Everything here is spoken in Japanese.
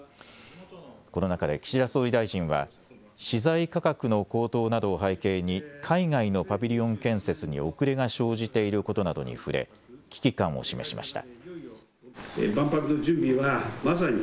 この中で岸田総理大臣は資材価格の高騰などを背景に海外のパビリオン建設に遅れが生じていることなどに触れ危機感を示しました。